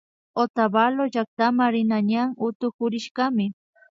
Otavalo llaktama rina ñan utukurishkami